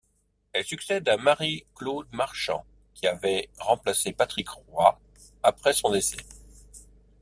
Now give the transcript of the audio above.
Elle succède à Marie-Claude Marchand, qui avait remplacé Patrick Roy après son décès.